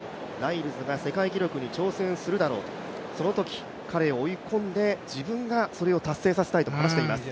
そしてテボゴはライルズが世界記録に挑戦するだろうと、そのとき、彼を追い込んで、自分がそれを達成させたいと話しています。